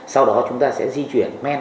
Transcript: sau đó chúng ta sẽ di chuyển men